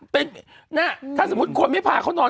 เป็นถ้าสมมุติคนไม่พาเขานอน